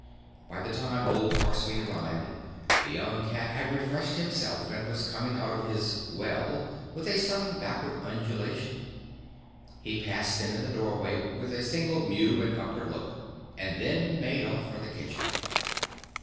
By the time Old Horsemeat arrived the young cat had refreshed himself and was coming out of his "well" with a sudden backward undulation. He passed them in the doorway with a single mew and upward look and then made off for the kitchen.